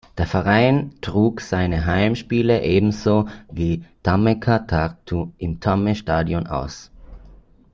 Der Verein trug seine Heimspiele ebenso wie "Tammeka Tartu" im Tamme Staadion aus.